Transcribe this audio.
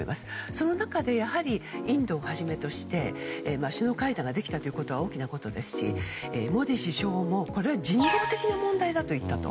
その中でインドをはじめとして首脳会談ができたことは大きなことですしモディ首相も、これは人道的な問題だと言ったと。